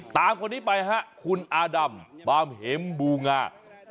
ตามคนนี้ไปฮะคุณอาดำบามเห็มบูงา